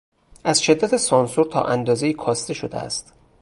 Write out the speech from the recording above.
از شدت سانسور تا اندازهای کاسته شده است.